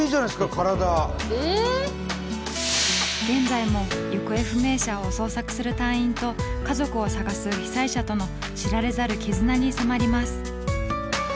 現在も行方不明者を捜索する隊員と家族を捜す被災者との知られざる絆に迫ります。